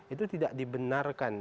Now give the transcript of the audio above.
itu tidak dibenarkan